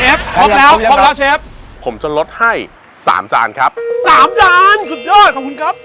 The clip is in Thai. เฮฟพร้อมแล้วพร้อมแล้วเชฟผมจะลดให้๓จานครับ๓จานสุดยอดขอบคุณครับ